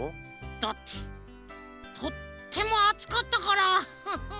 だってとってもあつかったからフフフ。